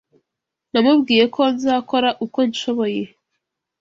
Namubwiye ko nzakora uko nshoboye.